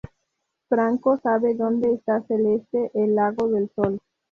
Franco sabe dónde está Celeste: el lago del Sol.